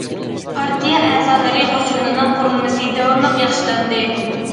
پارتىيە ئەزالىرى قوشۇنىنىڭ قۇرۇلمىسى داۋاملىق ياخشىلاندى.